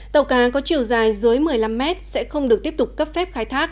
tàu cá có chiều dài dưới một mươi năm mét sẽ không được tiếp tục cấp phép khai thác